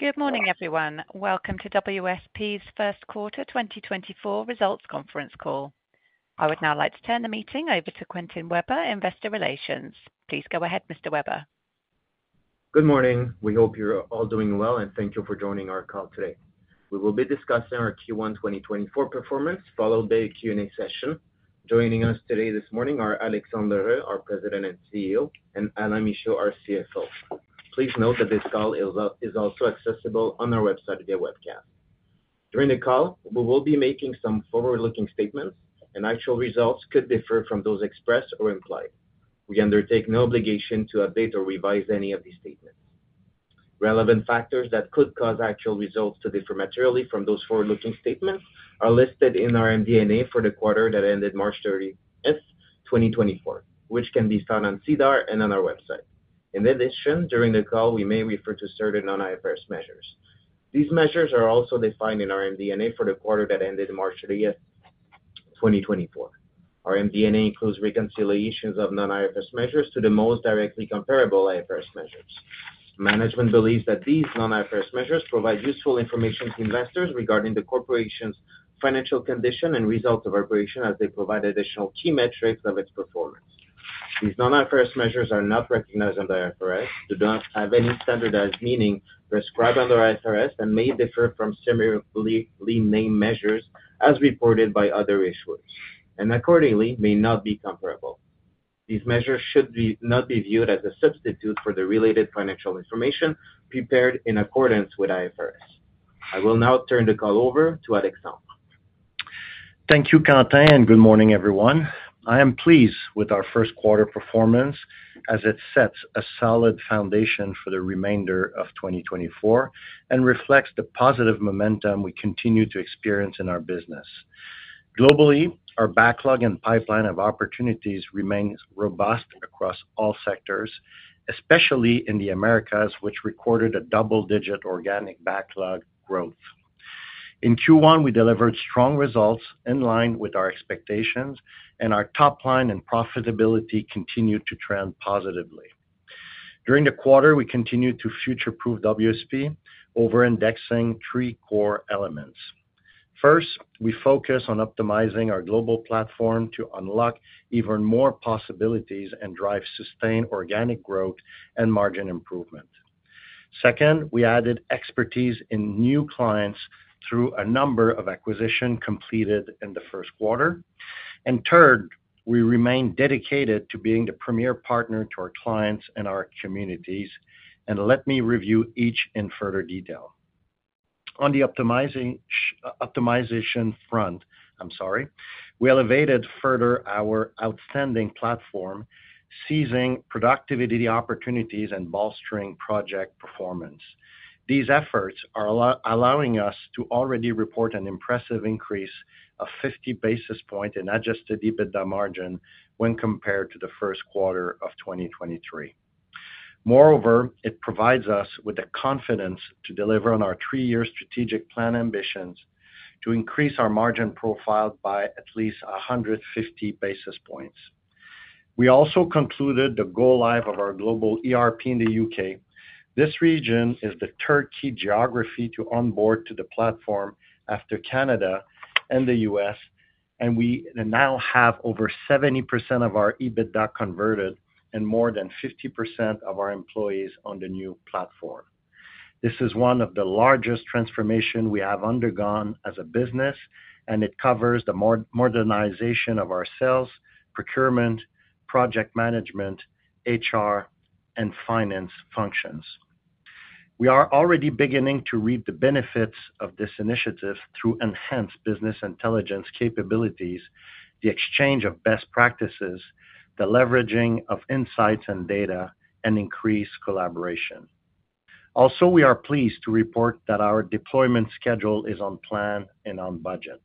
Good morning, everyone. Welcome to WSP's first quarter 2024 results conference call. I would now like to turn the meeting over to Quentin Weber, Investor Relations. Please go ahead, Mr. Weber. Good morning. We hope you're all doing well, and thank you for joining our call today. We will be discussing our Q1 2024 performance, followed by a Q&A session. Joining us today this morning are Alexandre L'Heureux, our President and CEO, and Alain Michaud, our CFO. Please note that this call is also accessible on our website via webcast. During the call, we will be making some forward-looking statements, and actual results could differ from those expressed or implied. We undertake no obligation to update or revise any of these statements. Relevant factors that could cause actual results to differ materially from those forward-looking statements are listed in our MD&A for the quarter that ended March 30th, 2024, which can be found on SEDAR and on our website. In addition, during the call, we may refer to certain non-IFRS measures. These measures are also defined in our MD&A for the quarter that ended March 30th, 2024. Our MD&A includes reconciliations of non-IFRS measures to the most directly comparable IFRS measures. Management believes that these non-IFRS measures provide useful information to investors regarding the corporation's financial condition and results of operation as they provide additional key metrics of its performance. These non-IFRS measures are not recognized under IFRS, do not have any standardized meaning prescribed under IFRS, and may differ from similarly named measures as reported by other issuers, and accordingly may not be comparable. These measures should not be viewed as a substitute for the related financial information prepared in accordance with IFRS. I will now turn the call over to Alexandre. Thank you, Quentin, and good morning, everyone. I am pleased with our first quarter performance as it sets a solid foundation for the remainder of 2024 and reflects the positive momentum we continue to experience in our business. Globally, our backlog and pipeline of opportunities remain robust across all sectors, especially in the Americas, which recorded a double-digit organic backlog growth. In Q1, we delivered strong results in line with our expectations, and our top line and profitability continued to trend positively. During the quarter, we continued to future-proof WSP over-indexing three core elements. First, we focused on optimizing our global platform to unlock even more possibilities and drive sustained organic growth and margin improvement. Second, we added expertise in new clients through a number of acquisitions completed in the first quarter. Third, we remained dedicated to being the premier partner to our clients and our communities, and let me review each in further detail. On the optimization front, I'm sorry, we elevated further our outstanding platform, seizing productivity opportunities and bolstering project performance. These efforts are allowing us to already report an impressive increase of 50 basis points in adjusted EBITDA margin when compared to the first quarter of 2023. Moreover, it provides us with the confidence to deliver on our three-year strategic plan ambitions to increase our margin profile by at least 150 basis points. We also concluded the go-live of our Global ERP in the U.K. This region is the third key geography to onboard to the platform after Canada and the U.S., and we now have over 70% of our EBITDA converted and more than 50% of our employees on the new platform. This is one of the largest transformations we have undergone as a business, and it covers the modernization of our sales, procurement, project management, HR, and finance functions. We are already beginning to reap the benefits of this initiative through enhanced business intelligence capabilities, the exchange of best practices, the leveraging of insights and data, and increased collaboration. Also, we are pleased to report that our deployment schedule is on plan and on budget.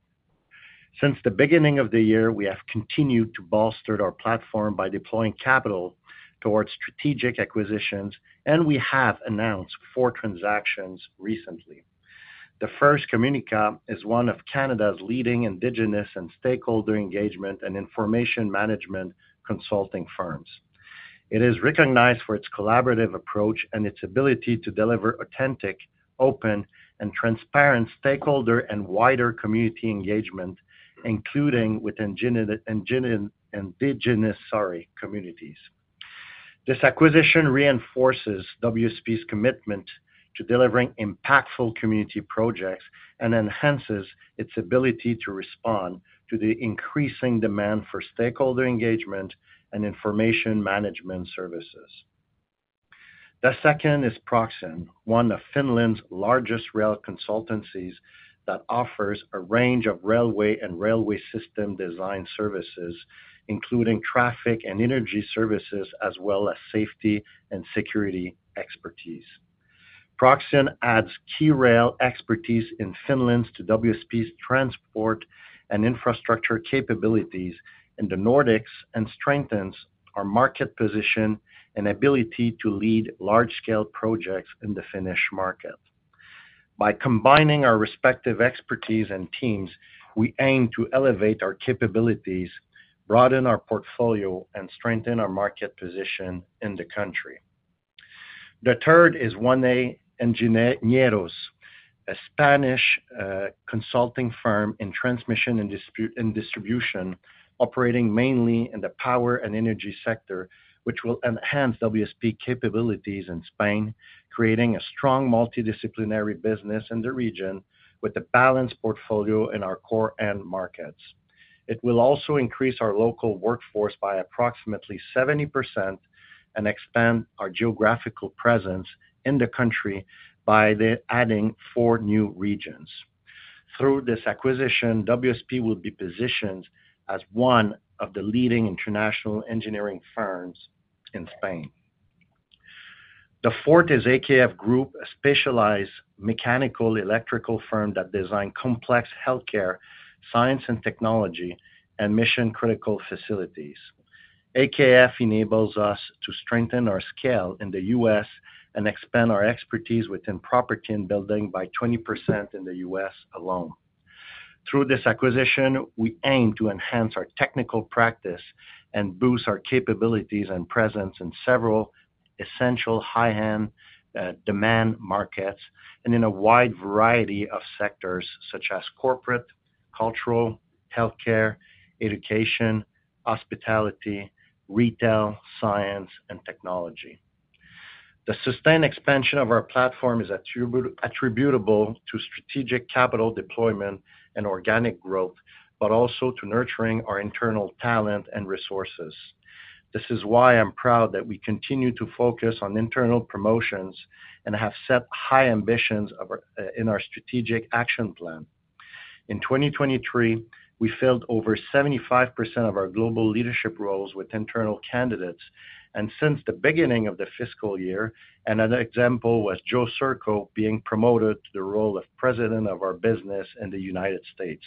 Since the beginning of the year, we have continued to bolster our platform by deploying capital towards strategic acquisitions, and we have announced four transactions recently. The first Communica is one of Canada's leading Indigenous and stakeholder engagement and information management consulting firms. It is recognized for its collaborative approach and its ability to deliver authentic, open, and transparent stakeholder and wider community engagement, including with Indigenous communities. This acquisition reinforces WSP's commitment to delivering impactful community projects and enhances its ability to respond to the increasing demand for stakeholder engagement and information management services. The second is Proxion, one of Finland's largest rail consultancies that offers a range of railway and railway system design services, including traffic and energy services as well as safety and security expertise. Proxion adds key rail expertise in Finland to WSP's transport and infrastructure capabilities in the Nordics and strengthens our market position and ability to lead large-scale projects in the Finnish market. By combining our respective expertise and teams, we aim to elevate our capabilities, broaden our portfolio, and strengthen our market position in the country. The third is 1A Ingenieros, a Spanish consulting firm in transmission and distribution operating mainly in the power and energy sector, which will enhance WSP capabilities in Spain, creating a strong multidisciplinary business in the region with a balanced portfolio in our core end markets. It will also increase our local workforce by approximately 70% and expand our geographical presence in the country by adding four new regions. Through this acquisition, WSP will be positioned as one of the leading international engineering firms in Spain. The fourth is AKF Group, a specialized mechanical, electrical firm that designs complex healthcare, science and technology, and mission-critical facilities. AKF enables us to strengthen our scale in the US and expand our expertise within property and building by 20% in the US alone. Through this acquisition, we aim to enhance our technical practice and boost our capabilities and presence in several essential high-end demand markets and in a wide variety of sectors such as corporate, cultural, healthcare, education, hospitality, retail, science, and technology. The sustained expansion of our platform is attributable to strategic capital deployment and organic growth, but also to nurturing our internal talent and resources. This is why I'm proud that we continue to focus on internal promotions and have set high ambitions in our strategic action plan. In 2023, we filled over 75% of our global leadership roles with internal candidates, and since the beginning of the fiscal year, another example was Joe Sczurko being promoted to the role of President of our business in the United States.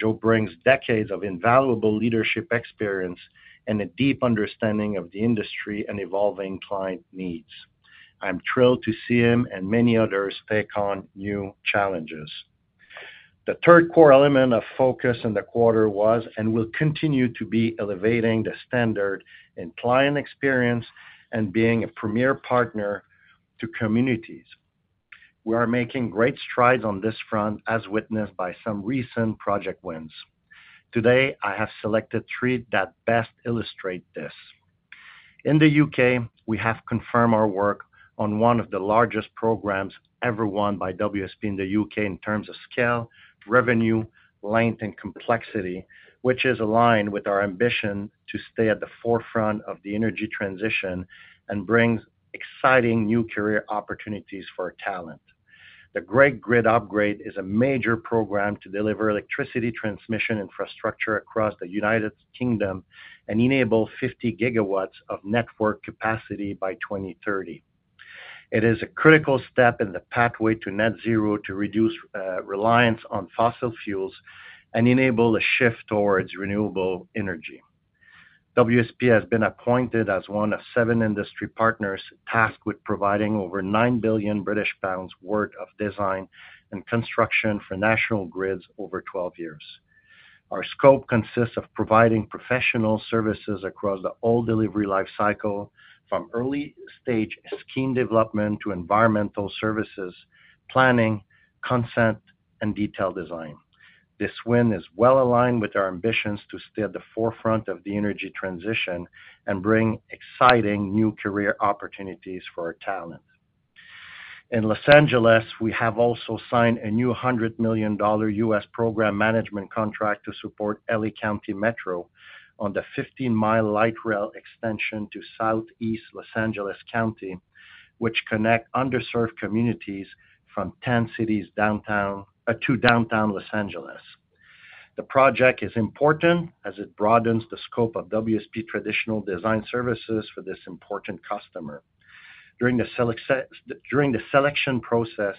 Joe brings decades of invaluable leadership experience and a deep understanding of the industry and evolving client needs. I'm thrilled to see him and many others take on new challenges. The third core element of focus in the quarter was and will continue to be elevating the standard in client experience and being a premier partner to communities. We are making great strides on this front, as witnessed by some recent project wins. Today, I have selected three that best illustrate this. In the U.K., we have confirmed our work on one of the largest programs ever won by WSP in the U.K. in terms of scale, revenue, length, and complexity, which is aligned with our ambition to stay at the forefront of the energy transition and bring exciting new career opportunities for talent. The Great Grid Upgrade is a major program to deliver electricity transmission infrastructure across the United Kingdom and enable 50 gigawatts of network capacity by 2030. It is a critical step in the pathway to Net Zero to reduce reliance on fossil fuels and enable a shift towards renewable energy. WSP has been appointed as one of seven industry partners tasked with providing over 9 billion British pounds worth of design and construction for National Grid's over 12 years. Our scope consists of providing professional services across the whole delivery lifecycle, from early-stage scheme development to environmental services, planning, consent, and detail design. This win is well aligned with our ambitions to stay at the forefront of the energy transition and bring exciting new career opportunities for our talent. In Los Angeles, we have also signed a new $100 million program management contract to support LA County Metro on the 15-mile light rail extension to Southeast Los Angeles County, which connects underserved communities from 10 cities to downtown Los Angeles. The project is important as it broadens the scope of WSP traditional design services for this important customer. During the selection process,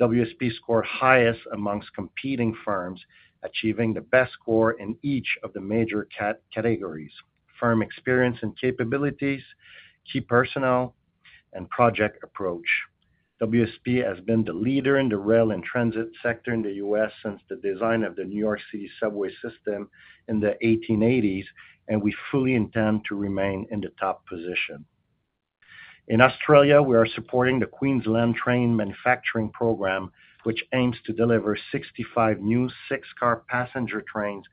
WSP scored highest amongst competing firms, achieving the best score in each of the major categories: firm experience and capabilities, key personnel, and project approach. WSP has been the leader in the rail and transit sector in the U.S. since the design of the New York City subway system in the 1880s, and we fully intend to remain in the top position. In Australia, we are supporting the Queensland Train Manufacturing Program, which aims to deliver 65 new six-car passenger trains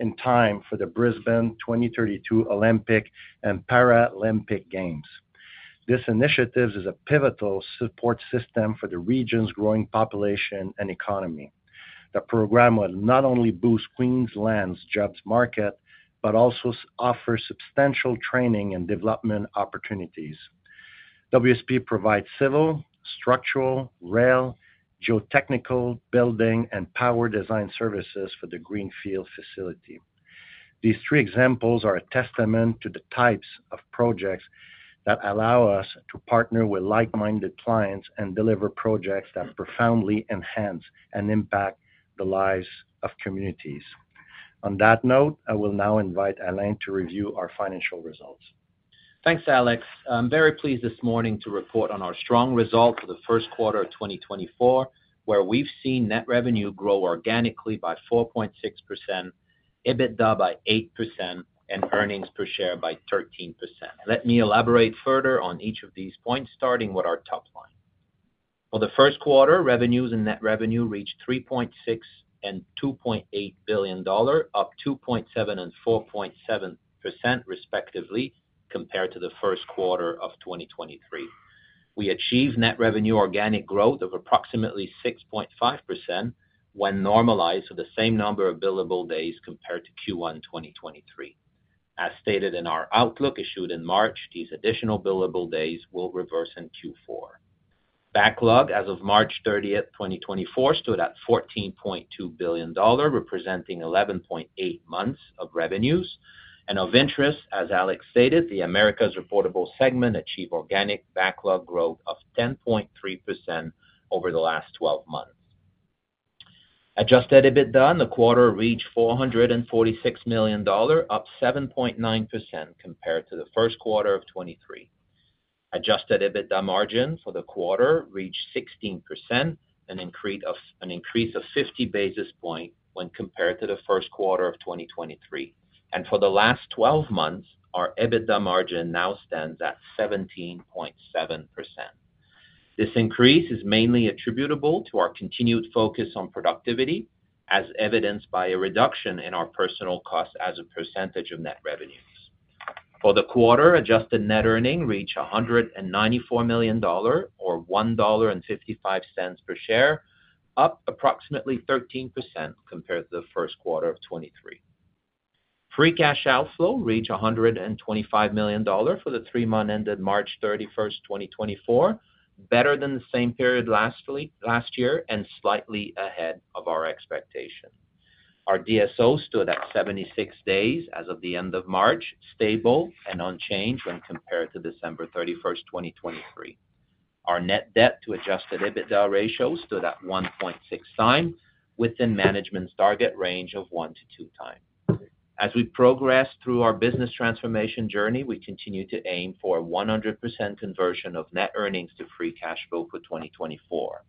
in time for the Brisbane 2032 Olympic and Paralympic Games. This initiative is a pivotal support system for the region's growing population and economy. The program will not only boost Queensland's jobs market but also offer substantial training and development opportunities. WSP provides civil, structural, rail, geotechnical, building, and power design services for the greenfield facility. These three examples are a testament to the types of projects that allow us to partner with like-minded clients and deliver projects that profoundly enhance and impact the lives of communities. On that note, I will now invite Alain to review our financial results. Thanks, Alex. I'm very pleased this morning to report on our strong results for the first quarter of 2024, where we've seen net revenue grow organically by 4.6%, EBITDA by 8%, and earnings per share by 13%. Let me elaborate further on each of these points, starting with our top line. For the first quarter, revenues and net revenue reached 3.6 billion and 2.8 billion dollar, up 2.7% and 4.7% respectively compared to the first quarter of 2023. We achieved net revenue organic growth of approximately 6.5% when normalized for the same number of billable days compared to Q1 2023. As stated in our outlook issued in March, these additional billable days will reverse in Q4. Backlog as of March 30, 2024, stood at 14.2 billion dollar, representing 11.8 months of revenues. Of interest, as Alex stated, the Americas reportable segment achieved organic backlog growth of 10.3% over the last 12 months. Adjusted EBITDA in the quarter reached 446 million dollars, up 7.9% compared to the first quarter of 2023. Adjusted EBITDA margin for the quarter reached 16%, an increase of 50 basis points when compared to the first quarter of 2023. For the last 12 months, our EBITDA margin now stands at 17.7%. This increase is mainly attributable to our continued focus on productivity, as evidenced by a reduction in our personnel costs as a percentage of net revenues. For the quarter, adjusted net earnings reached 194 million dollar or 1.55 dollar per share, up approximately 13% compared to the first quarter of 2023. Free cash outflow reached 125 million dollar for the three months ended March 31, 2024, better than the same period last year and slightly ahead of our expectation. Our DSO stood at 76 days as of the end of March, stable and unchanged when compared to December 31, 2023. Our net debt to adjusted EBITDA ratio stood at 1.6 times, within management's target range of 1 to 2x. As we progress through our business transformation journey, we continue to aim for a 100% conversion of net earnings to free cash flow for 2024.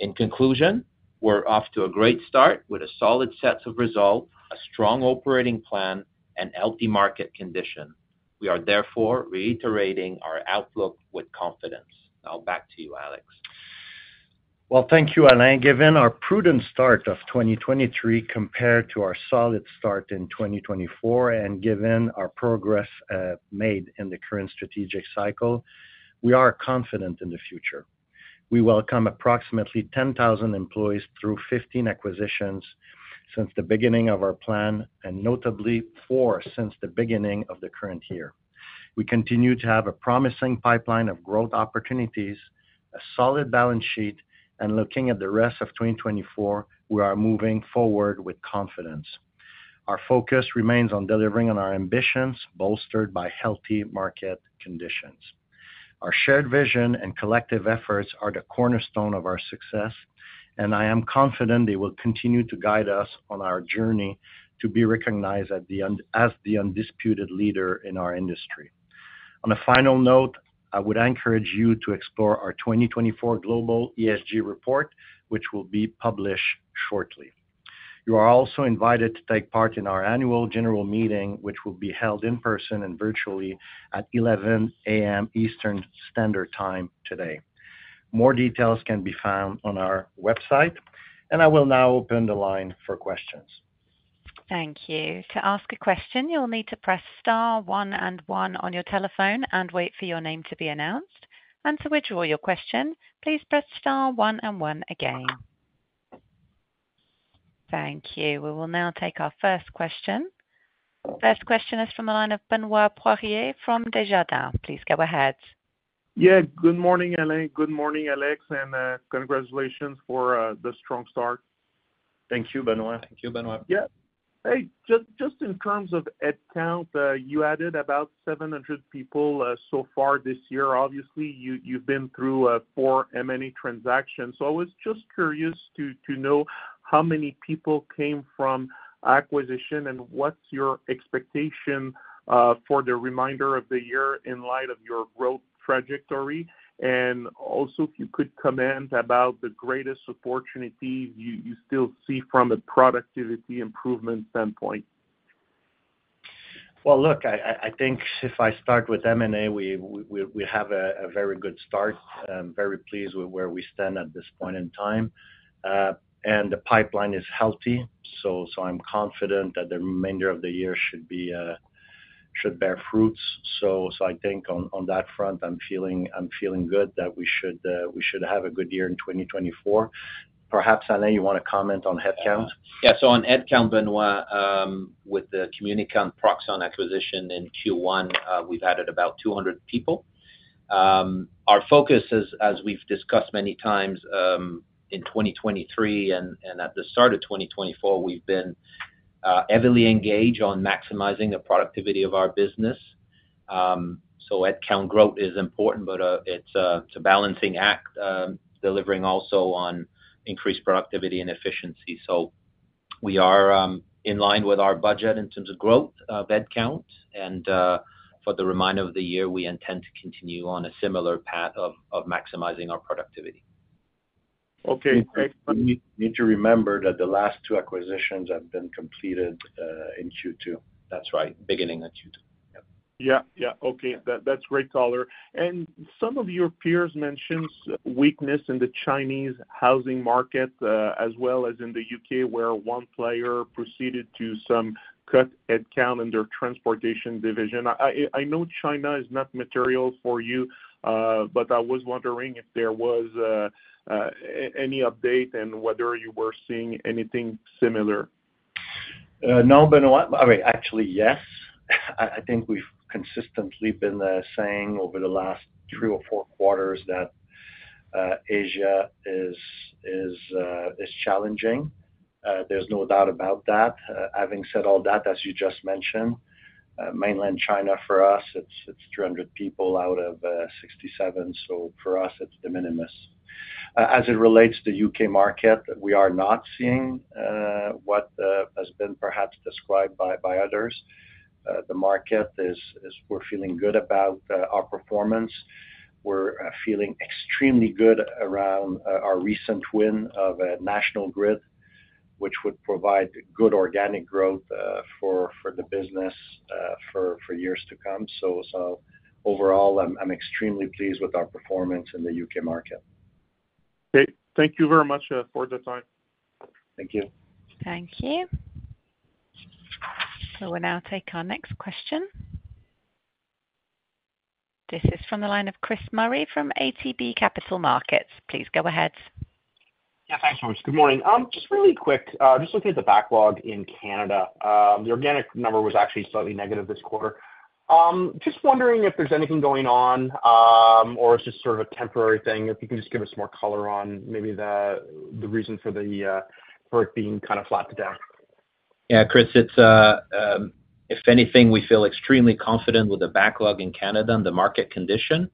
In conclusion, we're off to a great start with a solid set of results, a strong operating plan, and healthy market condition. We are therefore reiterating our outlook with confidence. Now back to you, Alex. Well, thank you, Alain. Given our prudent start of 2023 compared to our solid start in 2024 and given our progress made in the current strategic cycle, we are confident in the future. We welcome approximately 10,000 employees through 15 acquisitions since the beginning of our plan, and notably four since the beginning of the current year. We continue to have a promising pipeline of growth opportunities, a solid balance sheet, and looking at the rest of 2024, we are moving forward with confidence. Our focus remains on delivering on our ambitions bolstered by healthy market conditions. Our shared vision and collective efforts are the cornerstone of our success, and I am confident they will continue to guide us on our journey to be recognized as the undisputed leader in our industry. On a final note, I would encourage you to explore our 2024 Global ESG report, which will be published shortly. You are also invited to take part in our annual general meeting, which will be held in person and virtually at 11:00 A.M. Eastern Standard Time today. More details can be found on our website, and I will now open the line for questions. Thank you. To ask a question, you'll need to press star 1 and 1 on your telephone and wait for your name to be announced. To withdraw your question, please press star 1 and 1 again. Thank you. We will now take our first question. First question is from the line of Benoit Poirier from Desjardins. Please go ahead. Yeah. Good morning, Alain. Good morning, Alex, and congratulations for the strong start. Thank you, Benoit. Thank you, Benoit. Yeah. Hey, just in terms of headcount, you added about 700 people so far this year. Obviously, you've been through 4 M&A transactions. So I was just curious to know how many people came from acquisition and what's your expectation for the remainder of the year in light of your growth trajectory. And also, if you could comment about the greatest opportunities you still see from a productivity improvement standpoint. Well, look, I think if I start with M&A, we have a very good start. I'm very pleased with where we stand at this point in time. The pipeline is healthy, so I'm confident that the remainder of the year should bear fruits. I think on that front, I'm feeling good that we should have a good year in 2024. Perhaps, Alain, you want to comment on headcount? Yeah. So on headcount, Benoit, with the Communica, Proxion acquisition in Q1, we've added about 200 people. Our focus, as we've discussed many times, in 2023 and at the start of 2024, we've been heavily engaged on maximizing the productivity of our business. So headcount growth is important, but it's a balancing act, delivering also on increased productivity and efficiency. So we are in line with our budget in terms of growth of headcount. For the remainder of the year, we intend to continue on a similar path of maximizing our productivity. Okay. Excellent. You need to remember that the last two acquisitions have been completed in Q2. That's right. Beginning of Q2. Yeah. Yeah. Yeah. Okay. That's great, Caller. Some of your peers mentioned weakness in the Chinese housing market as well as in the UK, where one player proceeded to some cut headcount in their transportation division. I know China is not material for you, but I was wondering if there was any update and whether you were seeing anything similar. No, Benoit. I mean, actually, yes. I think we've consistently been saying over the last three or four quarters that Asia is challenging. There's no doubt about that. Having said all that, as you just mentioned, mainland China for us, it's 300 people out of 67. So for us, it's de minimis. As it relates to the U.K. market, we are not seeing what has been perhaps described by others. We're feeling good about our performance. We're feeling extremely good around our recent win of a National Grid, which would provide good organic growth for the business for years to come. So overall, I'm extremely pleased with our performance in the U.K. market. Okay. Thank you very much for the time. Thank you. Thank you. So we'll now take our next question. This is from the line of Chris Murray from ATB Capital Markets. Please go ahead. Yeah. Thanks, George. Good morning. Just really quick, just looking at the backlog in Canada, the organic number was actually slightly negative this quarter. Just wondering if there's anything going on or it's just sort of a temporary thing, if you can just give us more color on maybe the reason for it being kind of flattened out? Yeah, Chris. If anything, we feel extremely confident with the backlog in Canada and the market condition.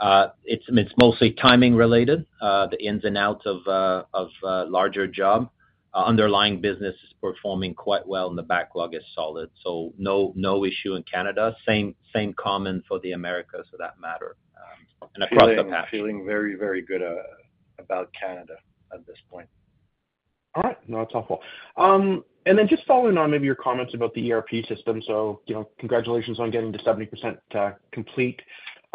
I mean, it's mostly timing-related, the ins and outs of a larger job. Underlying business is performing quite well, and the backlog is solid. So no issue in Canada. Same comment for the Americas for that matter and across the board. Feeling very, very good about Canada at this point. All right. No, that's helpful. And then just following on maybe your comments about the ERP system. So congratulations on getting to 70% complete.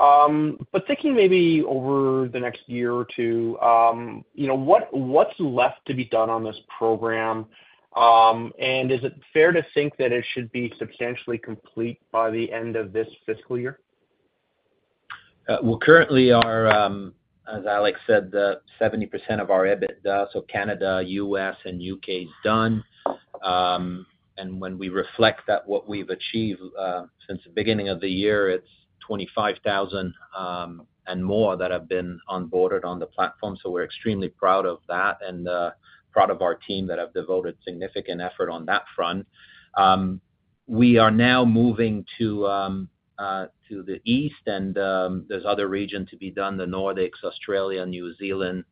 But thinking maybe over the next year or two, what's left to be done on this program? And is it fair to think that it should be substantially complete by the end of this fiscal year? Well, currently, as Alex said, 70% of our EBITDA, so Canada, US, and UK, is done. And when we reflect that, what we've achieved since the beginning of the year, it's 25,000 and more that have been onboarded on the platform. So we're extremely proud of that and proud of our team that have devoted significant effort on that front. We are now moving to the east, and there's other region to be done, the Nordics, Australia, New Zealand.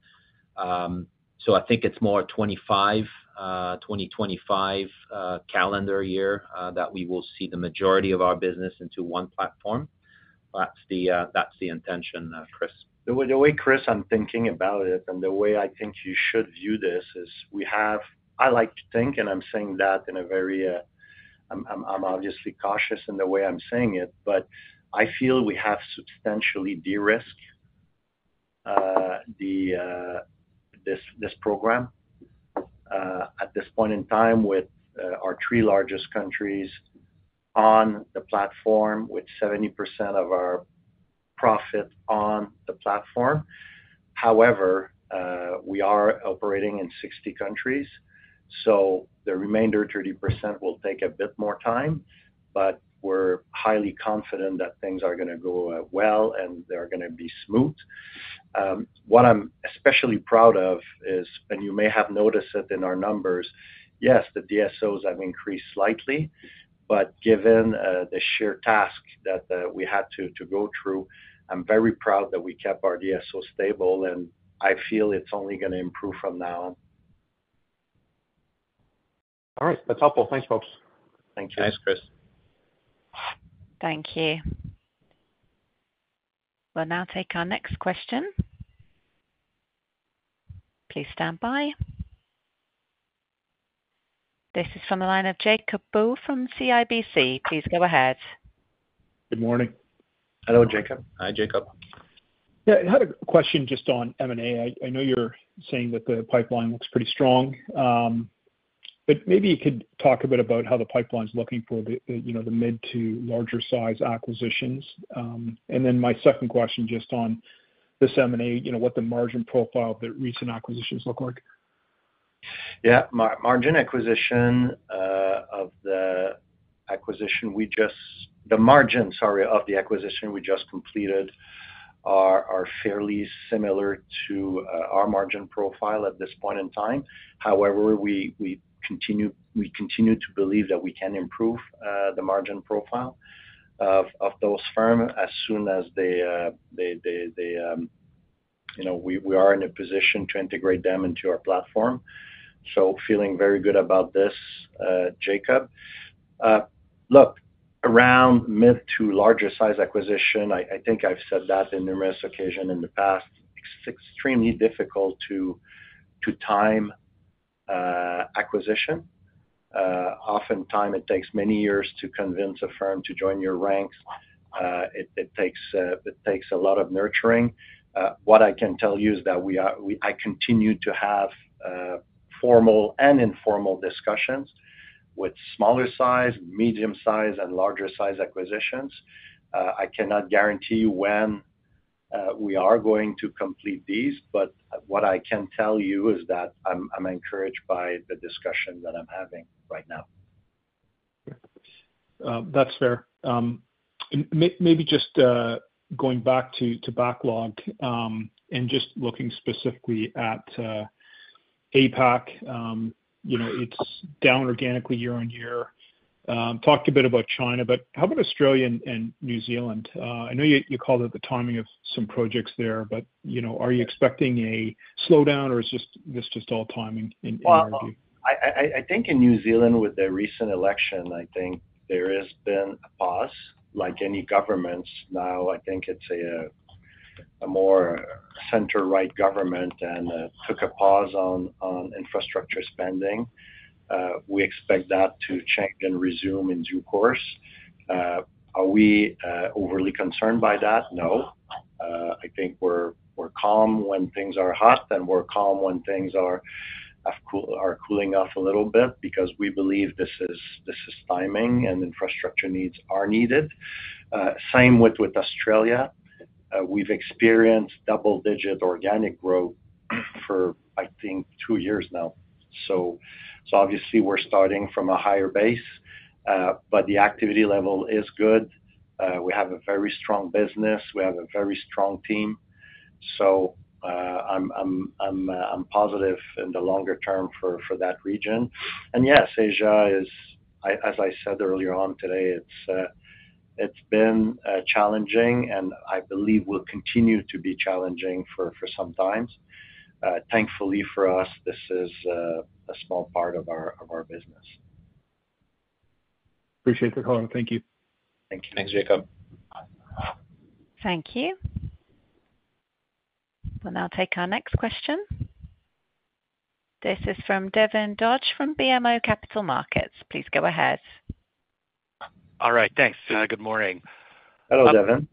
So I think it's more a 2025 calendar year that we will see the majority of our business into one platform. That's the intention, Chris. The way, Chris, I'm thinking about it and the way I think you should view this is I like to think, and I'm saying that in a very I'm obviously cautious in the way I'm saying it, but I feel we have substantially de-risked this program at this point in time with our three largest countries on the platform, with 70% of our profit on the platform. However, we are operating in 60 countries. So the remainder 30% will take a bit more time, but we're highly confident that things are going to go well and they're going to be smooth. What I'm especially proud of is, and you may have noticed it in our numbers, yes, the DSOs have increased slightly. But given the sheer task that we had to go through, I'm very proud that we kept our DSO stable, and I feel it's only going to improve from now. All right. That's helpful. Thanks, folks. Thank you. Thanks, Chris. Thank you. We'll now take our next question. Please stand by. This is from the line of Jacob Bout from CIBC. Please go ahead. Good morning. Hello, Jacob. Hi, Jacob. Yeah. I had a question just on M&A. I know you're saying that the pipeline looks pretty strong, but maybe you could talk a bit about how the pipeline's looking for the mid- to larger-size acquisitions. And then my second question just on this M&A, what the margin profile of the recent acquisitions look like? Yeah. The margin, sorry, of the acquisition we just completed are fairly similar to our margin profile at this point in time. However, we continue to believe that we can improve the margin profile of those firms as soon as we are in a position to integrate them into our platform. So, feeling very good about this, Jacob. Look, around mid- to larger-size acquisition, I think I've said that on numerous occasions in the past, it's extremely difficult to time acquisition. Oftentimes, it takes many years to convince a firm to join your ranks. It takes a lot of nurturing. What I can tell you is that I continue to have formal and informal discussions with smaller-size, medium-size, and larger-size acquisitions. I cannot guarantee you when we are going to complete these, but what I can tell you is that I'm encouraged by the discussion that I'm having right now. That's fair. Maybe just going back to backlog and just looking specifically at APAC, it's down organically year-over-year. Talked a bit about China, but how about Australia and New Zealand? I know you called it the timing of some projects there, but are you expecting a slowdown, or is this just all timing in your view? Well, I think in New Zealand, with the recent election, I think there has been a pause. Like any governments now, I think it's a more center-right government and took a pause on infrastructure spending. We expect that to change and resume in due course. Are we overly concerned by that? No. I think we're calm when things are hot, and we're calm when things are cooling off a little bit because we believe this is timing and infrastructure needs are needed. Same with Australia. We've experienced double-digit organic growth for, I think, two years now. So obviously, we're starting from a higher base, but the activity level is good. We have a very strong business. We have a very strong team. So I'm positive in the longer term for that region. Yes, Asia is, as I said earlier on today, it's been challenging, and I believe will continue to be challenging for some time. Thankfully for us, this is a small part of our business. Appreciate the call. Thank you. Thank you. Thanks, Jacob. Thank you. We'll now take our next question. This is from Devin Dodge from BMO Capital Markets. Please go ahead. All right. Thanks. Good morning. Hello, Devin.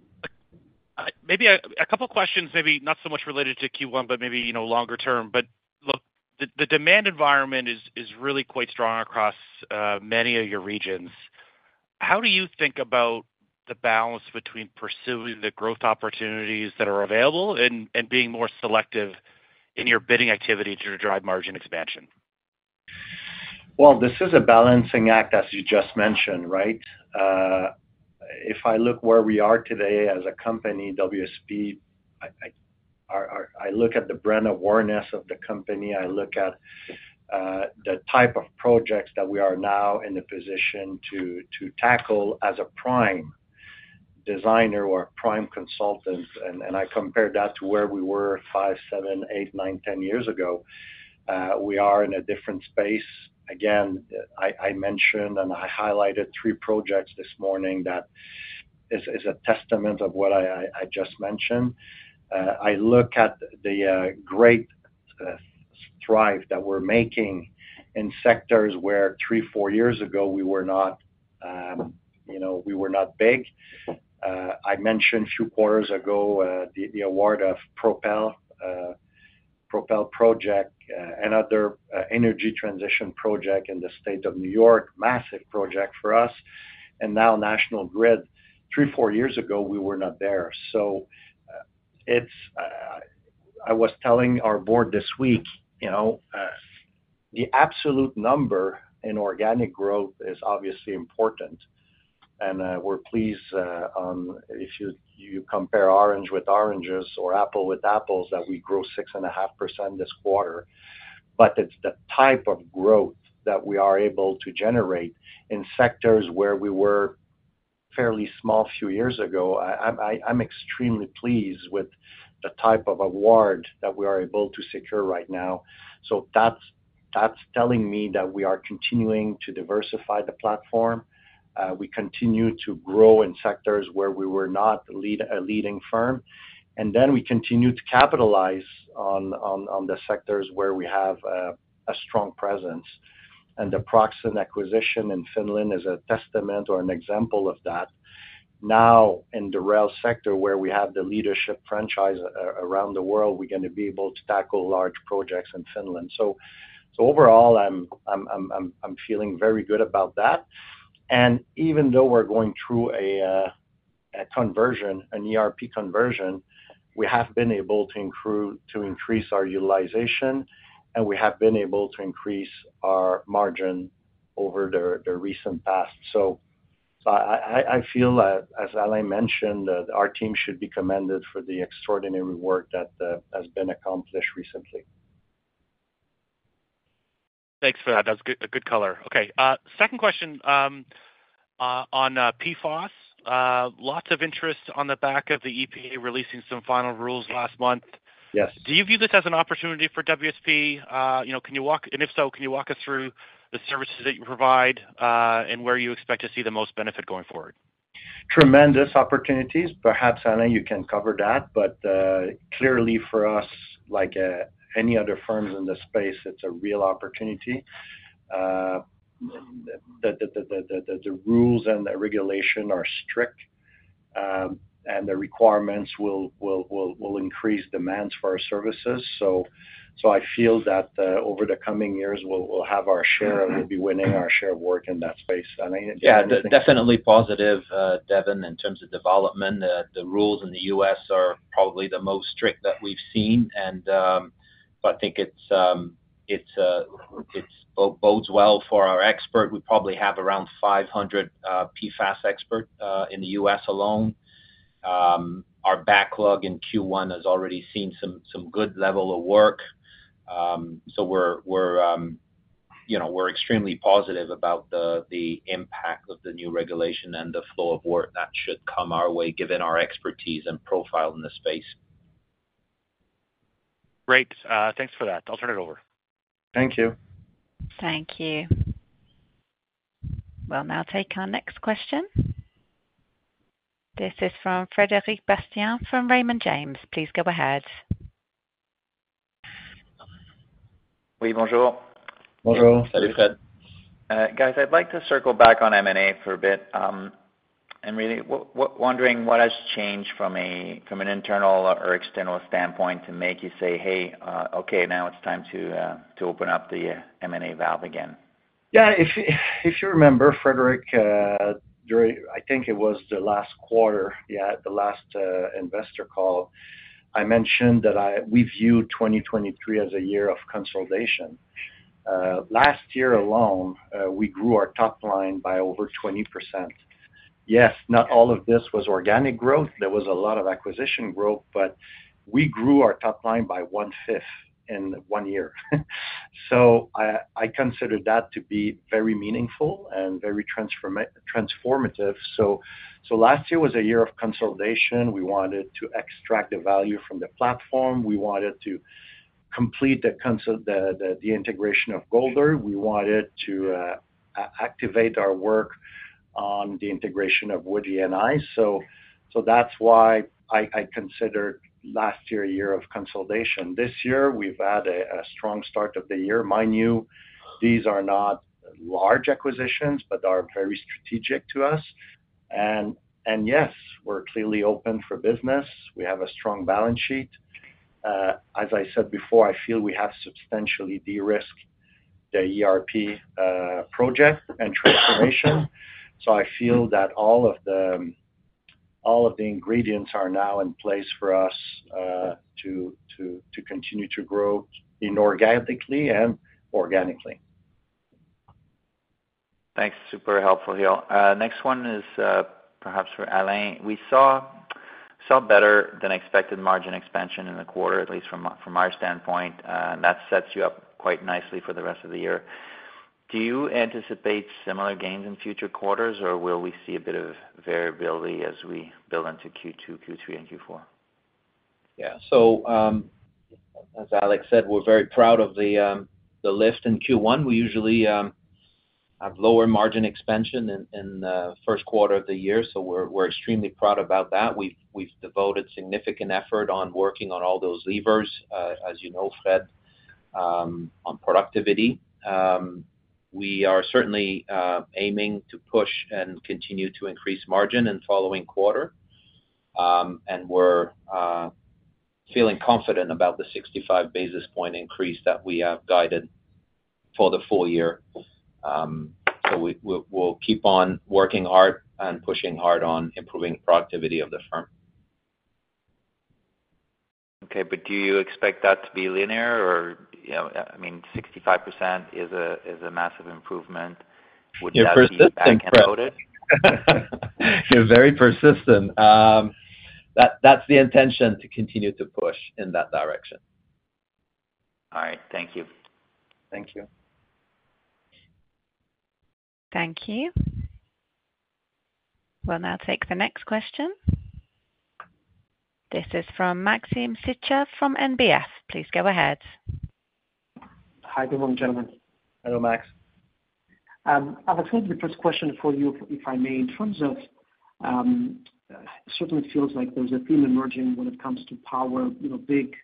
Maybe a couple of questions, maybe not so much related to Q1, but maybe longer term. But look, the demand environment is really quite strong across many of your regions. How do you think about the balance between pursuing the growth opportunities that are available and being more selective in your bidding activity to drive margin expansion? Well, this is a balancing act, as you just mentioned, right? If I look where we are today as a company, WSP, I look at the brand awareness of the company. I look at the type of projects that we are now in a position to tackle as a prime designer or a prime consultant. And I compare that to where we were 5, 7, 8, 9, 10 years ago. We are in a different space. Again, I mentioned and I highlighted three projects this morning that is a testament of what I just mentioned. I look at the great strides that we're making in sectors where three, four years ago, we were not big. I mentioned a few quarters ago the award of Propel, Propel Project, another energy transition project in the state of New York, massive project for us, and now National Grid. Three, four years ago, we were not there. So I was telling our board this week, the absolute number in organic growth is obviously important. And we're pleased if you compare orange with oranges or apple with apples that we grew 6.5% this quarter. But it's the type of growth that we are able to generate in sectors where we were fairly small a few years ago. I'm extremely pleased with the type of award that we are able to secure right now. So that's telling me that we are continuing to diversify the platform. We continue to grow in sectors where we were not a leading firm. And then we continue to capitalize on the sectors where we have a strong presence. And the Proxion acquisition in Finland is a testament or an example of that. Now, in the rail sector where we have the leadership franchise around the world, we're going to be able to tackle large projects in Finland. So overall, I'm feeling very good about that. And even though we're going through a conversion, an ERP conversion, we have been able to increase our utilization, and we have been able to increase our margin over the recent past. So I feel, as Alain mentioned, our team should be commended for the extraordinary work that has been accomplished recently. Thanks for that. That's a good color. Okay. Second question on PFAS. Lots of interest on the back of the EPA releasing some final rules last month. Do you view this as an opportunity for WSP? Can you walk and if so, can you walk us through the services that you provide and where you expect to see the most benefit going forward? Tremendous opportunities. Perhaps, Alain, you can cover that. But clearly, for us, like any other firms in the space, it's a real opportunity. The rules and the regulation are strict, and the requirements will increase demands for our services. So I feel that over the coming years, we'll have our share and we'll be winning our share of work in that space. Alain, anything to add? Yeah. Definitely positive, Devin, in terms of development. The rules in the U.S. are probably the most strict that we've seen. But I think it bodes well for our expert. We probably have around 500 PFAS experts in the U.S. alone. Our backlog in Q1 has already seen some good level of work. So we're extremely positive about the impact of the new regulation and the flow of work that should come our way given our expertise and profile in the space. Great. Thanks for that. I'll turn it over. Thank you. Thank you. We'll now take our next question. This is from Frédéric Bastien from Raymond James. Please go ahead. Oui, bonjour. Bonjour. Salut, Fred. Guys, I'd like to circle back on M&A for a bit. I'm wondering what has changed from an internal or external standpoint to make you say, "Hey, okay, now it's time to open up the M&A valve again"? Yeah. If you remember, Frédéric, I think it was the last quarter, yeah, the last investor call, I mentioned that we view 2023 as a year of consolidation. Last year alone, we grew our top line by over 20%. Yes, not all of this was organic growth. There was a lot of acquisition growth, but we grew our top line by one-fifth in one year. So I consider that to be very meaningful and very transformative. So last year was a year of consolidation. We wanted to extract the value from the platform. We wanted to complete the integration of Golder. We wanted to activate our work on the integration of Wood E&I. So that's why I considered last year a year of consolidation. This year, we've had a strong start of the year. Mind you, these are not large acquisitions but are very strategic to us. Yes, we're clearly open for business. We have a strong balance sheet. As I said before, I feel we have substantially de-risked the ERP project and transformation. I feel that all of the ingredients are now in place for us to continue to grow inorganically and organically. Thanks. Super helpful, Hill. Next one is perhaps for Alain. We saw better-than-expected margin expansion in the quarter, at least from our standpoint, and that sets you up quite nicely for the rest of the year. Do you anticipate similar gains in future quarters, or will we see a bit of variability as we build into Q2, Q3, and Q4? Yeah. So as Alex said, we're very proud of the lift in Q1. We usually have lower margin expansion in the first quarter of the year, so we're extremely proud about that. We've devoted significant effort on working on all those levers, as you know, Fred, on productivity. We are certainly aiming to push and continue to increase margin in the following quarter, and we're feeling confident about the 65 basis point increase that we have guided for the full year. So we'll keep on working hard and pushing hard on improving the productivity of the firm. Okay. But do you expect that to be linear, or I mean, 65% is a massive improvement. Would that be back and forth? You're very persistent. That's the intention, to continue to push in that direction. All right. Thank you. Thank you. Thank you. We'll now take the next question. This is from Maxim Sytchev from NBF. Please go ahead. Hi, everyone, gentlemen. Hello, Max. Alex, maybe the first question for you, if I may. In terms of certainly, it feels like there's a theme emerging when it comes to power, big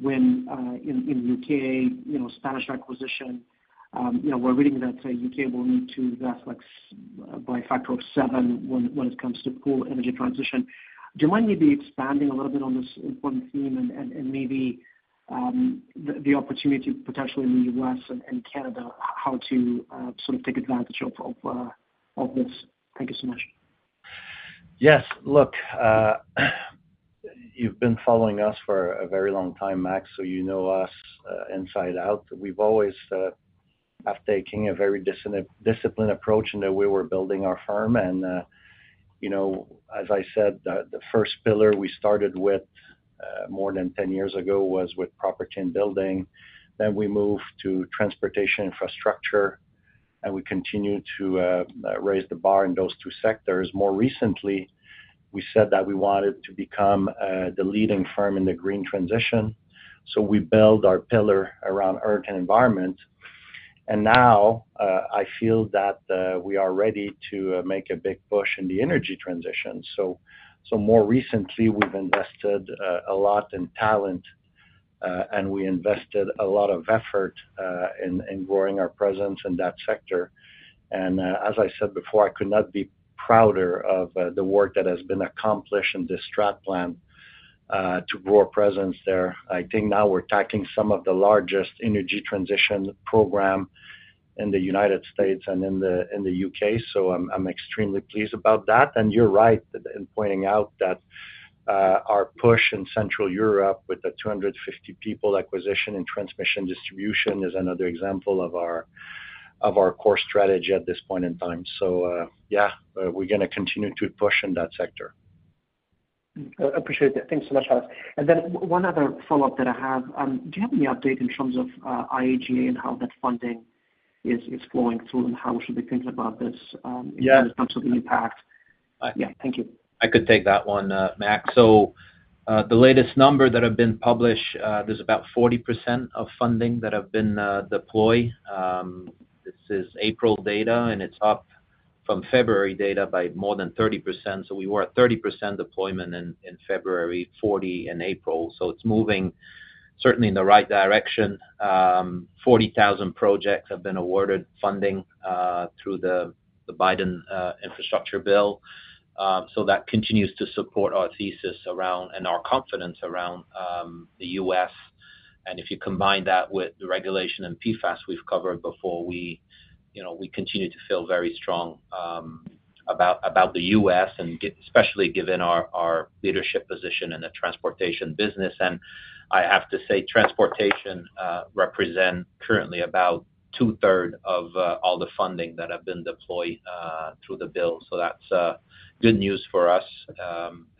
win in the U.K., Spanish acquisition. We're reading that U.K. will need to invest by a factor of 7 when it comes to full energy transition. Do you mind maybe expanding a little bit on this important theme and maybe the opportunity potentially in the U.S. and Canada, how to sort of take advantage of this? Thank you so much. Yes. Look, you've been following us for a very long time, Max, so you know us inside out. We've always been undertaking a very disciplined approach in the way we're building our firm. And as I said, the first pillar we started with more than 10 years ago was with property and building. Then we moved to transportation infrastructure, and we continue to raise the bar in those two sectors. More recently, we said that we wanted to become the leading firm in the green transition. So we built our pillar around earth and environment. And now, I feel that we are ready to make a big push in the energy transition. So more recently, we've invested a lot in talent, and we invested a lot of effort in growing our presence in that sector. As I said before, I could not be prouder of the work that has been accomplished in this strat plan to grow our presence there. I think now we're tackling some of the largest energy transition programs in the United States and in the U.K. I'm extremely pleased about that. You're right in pointing out that our push in Central Europe with the 250 people acquisition and transmission distribution is another example of our core strategy at this point in time. Yeah, we're going to continue to push in that sector. I appreciate that. Thanks so much, Alex. And then one other follow-up that I have. Do you have any update in terms of IIJA and how that funding is flowing through and how we should be thinking about this in terms of the impact? Yeah. Yeah. Thank you. I could take that one, Max. So the latest number that have been published, there's about 40% of funding that have been deployed. This is April data, and it's up from February data by more than 30%. So we were at 30% deployment in February, 40% in April. So it's moving certainly in the right direction. 40,000 projects have been awarded funding through the Biden infrastructure bill. So that continues to support our thesis around and our confidence around the U.S. And if you combine that with the regulation and PFAS we've covered before, we continue to feel very strong about the U.S., especially given our leadership position in the transportation business. And I have to say, transportation represents currently about two-thirds of all the funding that have been deployed through the bill. So that's good news for us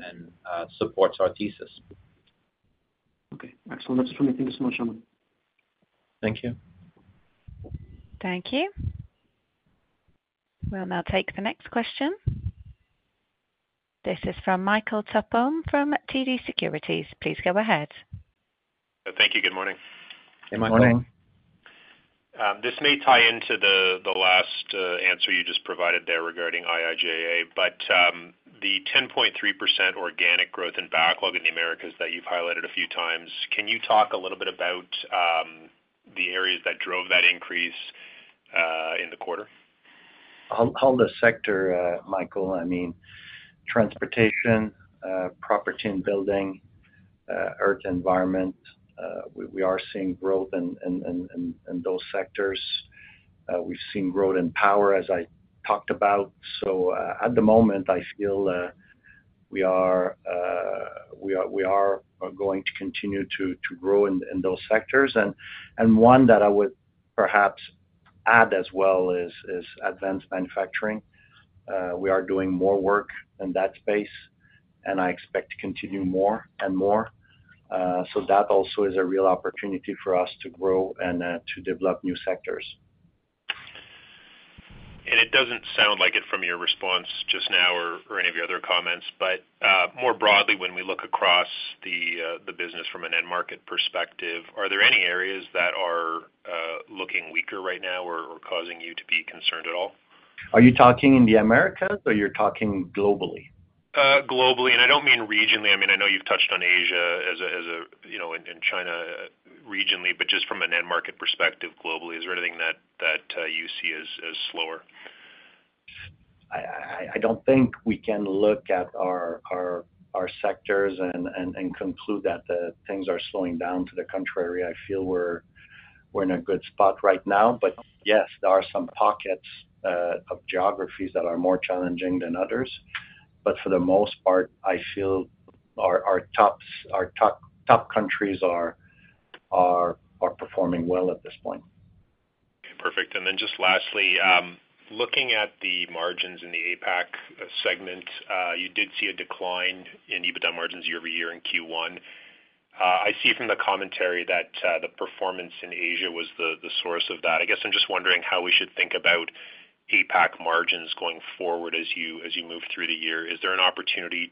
and supports our thesis. Okay. Excellent. That's it from me. Thank you so much, Alain. Thank you. Thank you. We'll now take the next question. This is from Michael Tupholme from TD Securities. Please go ahead. Thank you. Good morning. Hey, Michael. Morning. This may tie into the last answer you just provided there regarding IIJA, but the 10.3% organic growth and backlog in the Americas that you've highlighted a few times, can you talk a little bit about the areas that drove that increase in the quarter? All the sectors, Michael. I mean, transportation, property and building, earth and environment. We are seeing growth in those sectors. We've seen growth in power, as I talked about. At the moment, I feel we are going to continue to grow in those sectors. One that I would perhaps add as well is advanced manufacturing. We are doing more work in that space, and I expect to continue more and more. That also is a real opportunity for us to grow and to develop new sectors. It doesn't sound like it from your response just now or any of your other comments, but more broadly, when we look across the business from an end-market perspective, are there any areas that are looking weaker right now or causing you to be concerned at all? Are you talking in the Americas, or you're talking globally? Globally. I don't mean regionally. I mean, I know you've touched on Asia and China regionally, but just from an end-market perspective, globally, is there anything that you see as slower? I don't think we can look at our sectors and conclude that things are slowing down. To the contrary, I feel we're in a good spot right now. But yes, there are some pockets of geographies that are more challenging than others. But for the most part, I feel our top countries are performing well at this point. Perfect. And then just lastly, looking at the margins in the APAC segment, you did see a decline in EBITDA margins year-over-year in Q1. I see from the commentary that the performance in Asia was the source of that. I guess I'm just wondering how we should think about APAC margins going forward as you move through the year. Is there an opportunity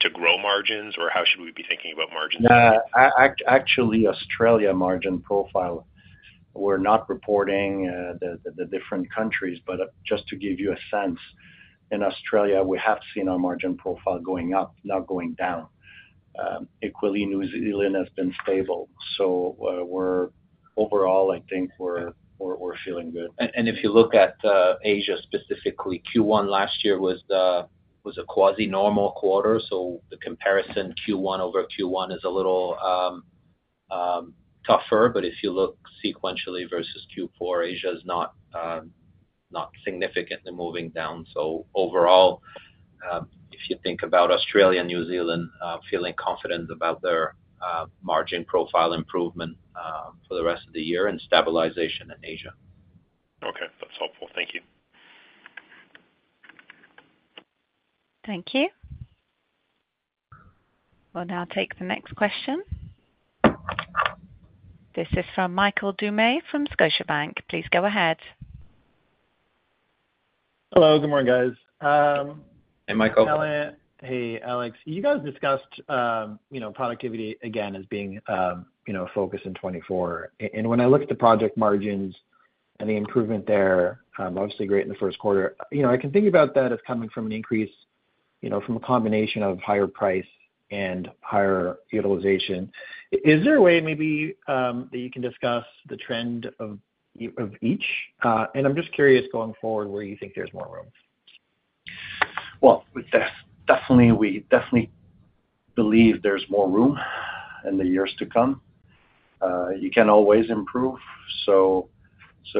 to grow margins, or how should we be thinking about margins? Yeah. Actually, Australia margin profile, we're not reporting the different countries. But just to give you a sense, in Australia, we have seen our margin profile going up, not going down. Equally, New Zealand has been stable. So overall, I think we're feeling good. If you look at Asia specifically, Q1 last year was a quasi-normal quarter. The comparison Q1 over Q1 is a little tougher. If you look sequentially versus Q4, Asia is not significantly moving down. Overall, if you think about Australia, New Zealand, feeling confident about their margin profile improvement for the rest of the year and stabilization in Asia. Okay. That's helpful. Thank you. Thank you. We'll now take the next question. This is from Michael Doumet from Scotiabank. Please go ahead. Hello. Good morning, guys. Hey, Michael. Hey, Alex. You guys discussed productivity, again, as being a focus in 2024. And when I look at the project margins and the improvement there, obviously great in the first quarter, I can think about that as coming from an increase from a combination of higher price and higher utilization. Is there a way maybe that you can discuss the trend of each? And I'm just curious going forward where you think there's more room. Well, definitely, we definitely believe there's more room in the years to come. You can always improve.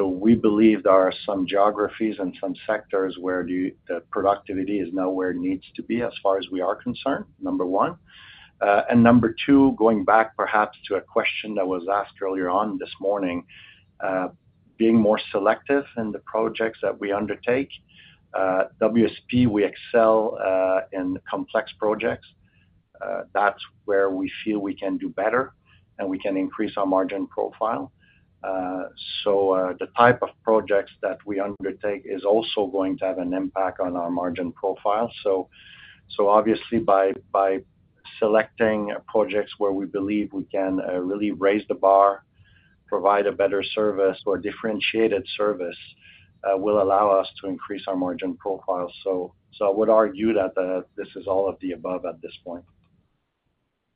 We believe there are some geographies and some sectors where the productivity is now where it needs to be, as far as we are concerned, number one. And number two, going back perhaps to a question that was asked earlier on this morning, being more selective in the projects that we undertake. WSP, we excel in complex projects. That's where we feel we can do better, and we can increase our margin profile. So the type of projects that we undertake is also going to have an impact on our margin profile. So obviously, by selecting projects where we believe we can really raise the bar, provide a better service, or a differentiated service, will allow us to increase our margin profile. I would argue that this is all of the above at this point.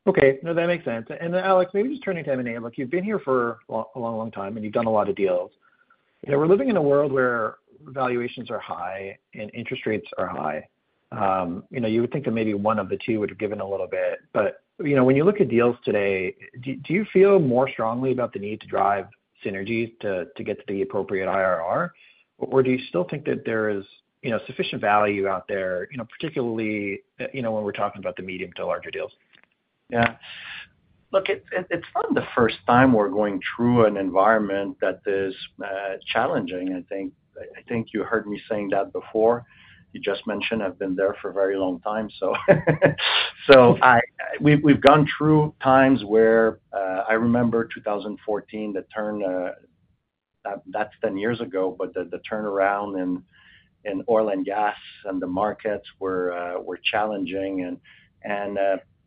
Okay. No, that makes sense. And Alex, maybe just turning to Alain, look, you've been here for a long, long time, and you've done a lot of deals. We're living in a world where valuations are high and interest rates are high. You would think that maybe one of the two would have given a little bit. But when you look at deals today, do you feel more strongly about the need to drive synergies to get to the appropriate IRR, or do you still think that there is sufficient value out there, particularly when we're talking about the medium to larger deals? Yeah. Look, it's not the first time we're going through an environment that is challenging. I think you heard me saying that before. You just mentioned, "I've been there for a very long time," so. So we've gone through times where I remember 2014, that's 10 years ago, but the turnaround in oil and gas and the markets were challenging.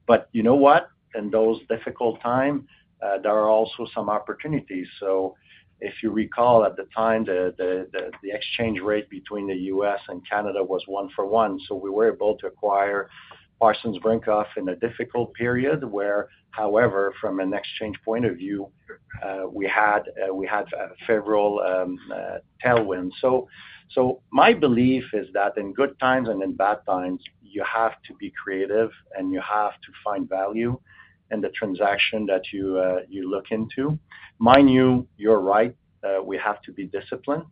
But you know what? In those difficult times, there are also some opportunities. So if you recall, at the time, the exchange rate between the U.S. and Canada was 1-for-1. So we were able to acquire Parsons Brinckerhoff in a difficult period where, however, from an exchange point of view, we had favorable tailwinds. So my belief is that in good times and in bad times, you have to be creative, and you have to find value in the transaction that you look into. Mind you, you're right. We have to be disciplined.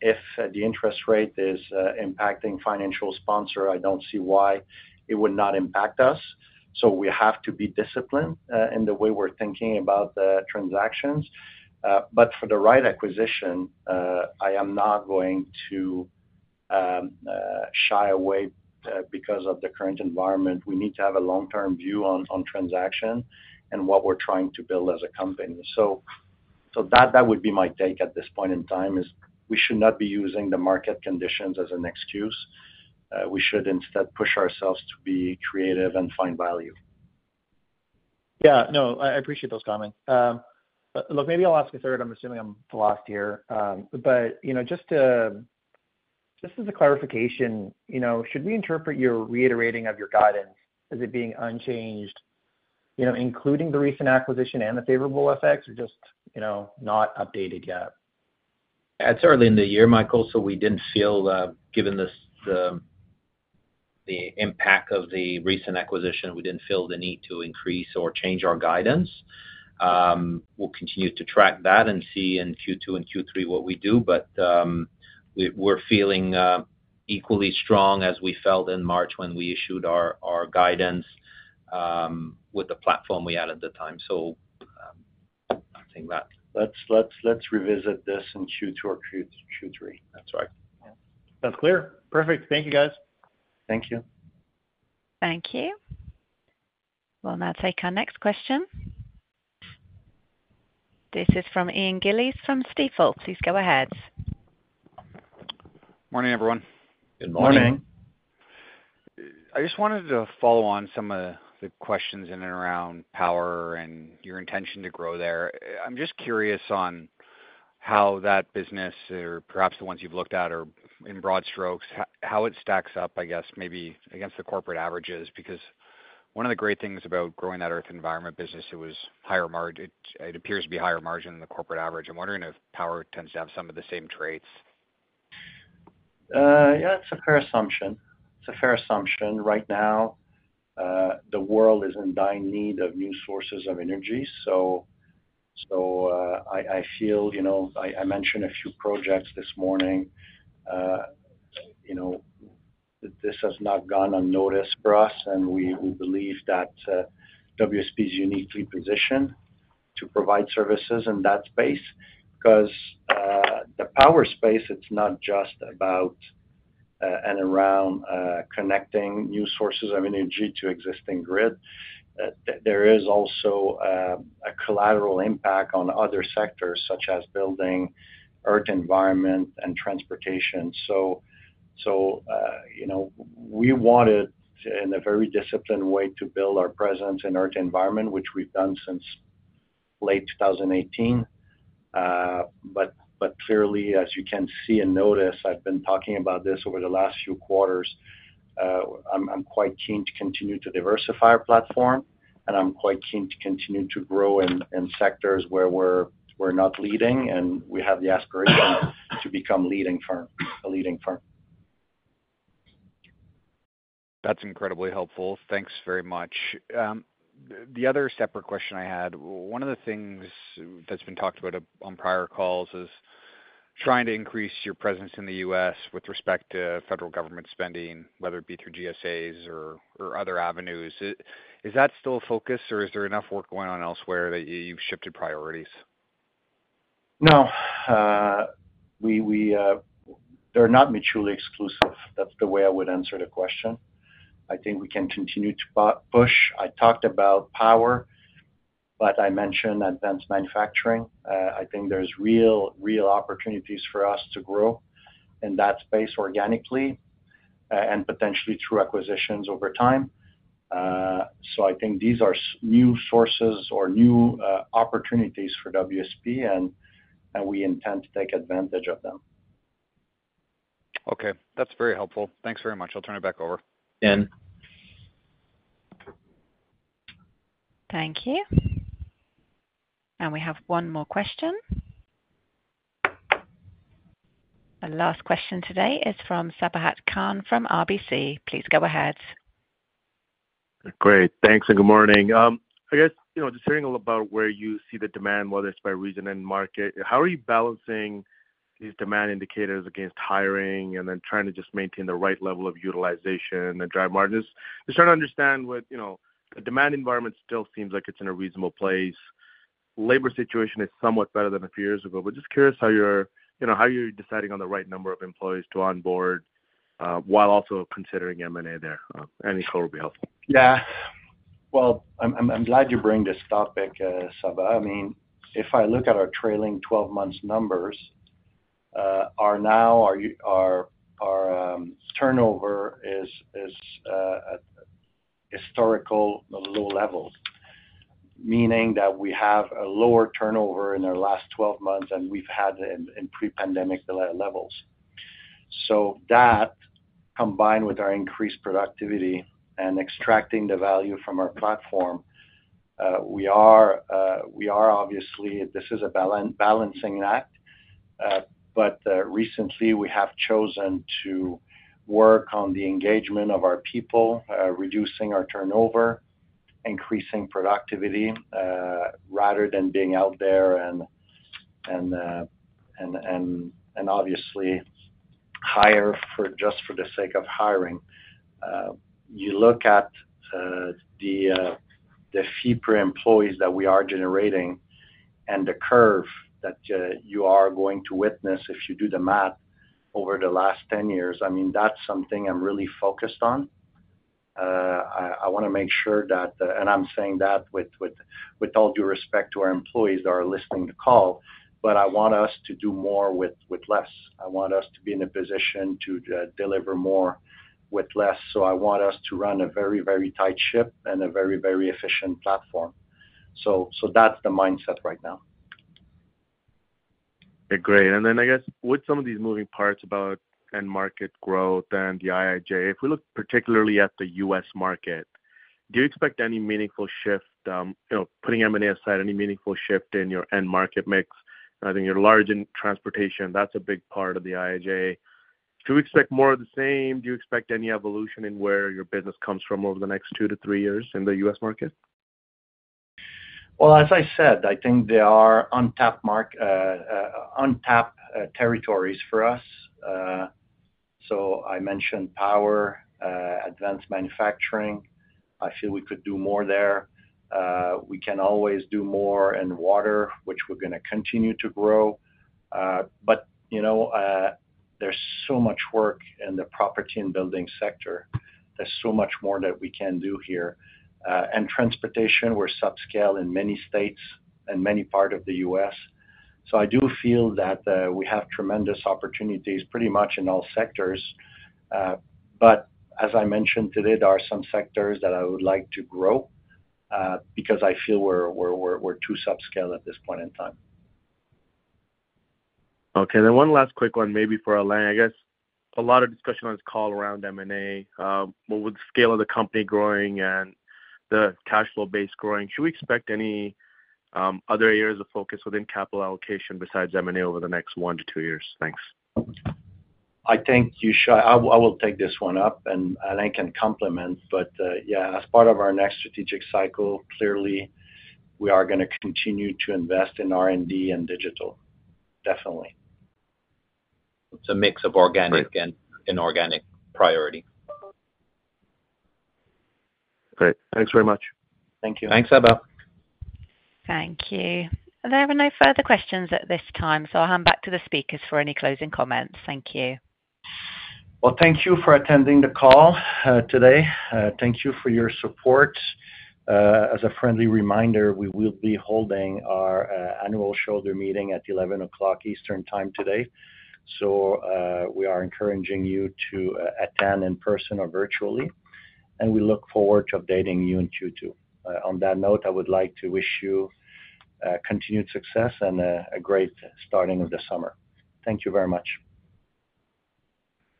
If the interest rate is impacting financial sponsor, I don't see why it would not impact us. So we have to be disciplined in the way we're thinking about the transactions. But for the right acquisition, I am not going to shy away because of the current environment. We need to have a long-term view on transaction and what we're trying to build as a company. So that would be my take at this point in time, is we should not be using the market conditions as an excuse. We should instead push ourselves to be creative and find value. Yeah. No, I appreciate those comments. Look, maybe I'll ask a third. I'm assuming I'm lost here. But just as a clarification, should we interpret your reiterating of your guidance as it being unchanged, including the recent acquisition and the favorable effects, or just not updated yet? It's early in the year, Michael, so we didn't feel, given the impact of the recent acquisition, we didn't feel the need to increase or change our guidance. We'll continue to track that and see in Q2 and Q3 what we do. But we're feeling equally strong as we felt in March when we issued our guidance with the platform we had at the time. So I think that. Let's revisit this in Q2 or Q3. That's right. Yeah. Sounds clear. Perfect. Thank you, guys. Thank you. Thank you. Well, and that's our next question. This is from Ian Gillies from Stifel. Please go ahead. Morning, everyone. Good morning. Morning. I just wanted to follow on some of the questions in and around power and your intention to grow there. I'm just curious on how that business, or perhaps the ones you've looked at, or in broad strokes, how it stacks up, I guess, maybe against the corporate averages. Because one of the great things about growing that earth environment business, it appears to be higher margin than the corporate average. I'm wondering if power tends to have some of the same traits. Yeah, it's a fair assumption. It's a fair assumption. Right now, the world is in dying need of new sources of energy. So I feel I mentioned a few projects this morning. This has not gone unnoticed for us, and we believe that WSP is uniquely positioned to provide services in that space. Because the power space, it's not just about and around connecting new sources of energy to existing grid. There is also a collateral impact on other sectors, such as building earth environment and transportation. So we wanted, in a very disciplined way, to build our presence in earth environment, which we've done since late 2018. But clearly, as you can see and notice, I've been talking about this over the last few quarters. I'm quite keen to continue to diversify our platform, and I'm quite keen to continue to grow in sectors where we're not leading, and we have the aspiration to become a leading firm. That's incredibly helpful. Thanks very much. The other separate question I had, one of the things that's been talked about on prior calls is trying to increase your presence in the U.S. with respect to federal government spending, whether it be through GSAs or other avenues. Is that still a focus, or is there enough work going on elsewhere that you've shifted priorities? No. They're not mutually exclusive. That's the way I would answer the question. I think we can continue to push. I talked about power, but I mentioned advanced manufacturing. I think there's real opportunities for us to grow in that space organically and potentially through acquisitions over time. So I think these are new sources or new opportunities for WSP, and we intend to take advantage of them. Okay. That's very helpful. Thanks very much. I'll turn it back over. Ian. Thank you. We have one more question. The last question today is from Sabahat Khan from RBC. Please go ahead. Great. Thanks and good morning. I guess just hearing about where you see the demand, whether it's by region and market, how are you balancing these demand indicators against hiring and then trying to just maintain the right level of utilization and drive margins? I'm just trying to understand what the demand environment still seems like it's in a reasonable place. Labor situation is somewhat better than a few years ago, but just curious how you're deciding on the right number of employees to onboard while also considering M&A there. Any quote would be helpful. Yeah. Well, I'm glad you bring this topic, Sabah. I mean, if I look at our trailing 12-month numbers, our turnover is at historical low levels, meaning that we have a lower turnover in our last 12 months, and we've had it in pre-pandemic levels. So that, combined with our increased productivity and extracting the value from our platform, we are obviously this is a balancing act. But recently, we have chosen to work on the engagement of our people, reducing our turnover, increasing productivity rather than being out there and obviously hire just for the sake of hiring. You look at the fee per employees that we are generating and the curve that you are going to witness if you do the math over the last 10 years, I mean, that's something I'm really focused on. I want to make sure that, and I'm saying that with all due respect to our employees that are listening to the call, but I want us to do more with less. I want us to be in a position to deliver more with less. So I want us to run a very, very tight ship and a very, very efficient platform. So that's the mindset right now. Great. And then I guess with some of these moving parts about end market growth and the IIJA, if we look particularly at the U.S. market, do you expect any meaningful shift putting M&A aside, any meaningful shift in your end market mix? I think you're large in transportation. That's a big part of the IIJA. Do we expect more of the same? Do you expect any evolution in where your business comes from over the next two to three years in the U.S. market? Well, as I said, I think there are untapped territories for us. So I mentioned power, advanced manufacturing. I feel we could do more there. We can always do more in water, which we're going to continue to grow. But there's so much work in the property and building sector. There's so much more that we can do here. And transportation, we're subscale in many states and many parts of the U.S. So I do feel that we have tremendous opportunities pretty much in all sectors. But as I mentioned today, there are some sectors that I would like to grow because I feel we're too subscale at this point in time. Okay. Then one last quick one, maybe for Alain. I guess a lot of discussion on this call around M&A. With the scale of the company growing and the cash flow base growing, should we expect any other areas of focus within capital allocation besides M&A over the next one to two years? Thanks. I will take this one up, and Alain can comment. But yeah, as part of our next strategic cycle, clearly, we are going to continue to invest in R&D and digital, definitely. It's a mix of organic and inorganic priority. Great. Thanks very much. Thank you. Thanks, Sabah. Thank you. There are no further questions at this time, so I'll hand back to the speakers for any closing comments. Thank you. Well, thank you for attending the call today. Thank you for your support. As a friendly reminder, we will be holding our annual shareholder meeting at 11:00 A.M. Eastern Time today. We are encouraging you to attend in person or virtually. We look forward to updating you in Q2. On that note, I would like to wish you continued success and a great starting of the summer. Thank you very much.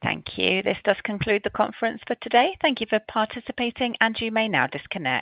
Thank you. This does conclude the conference for today. Thank you for participating, and you may now disconnect.